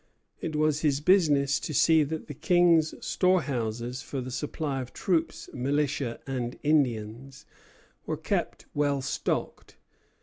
It was his business to see that the King's storehouses for the supply of troops, militia, and Indians were kept well stocked.